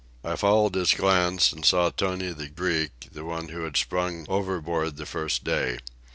I followed his glance and saw Tony the Greek, the one who had sprung overboard the first day.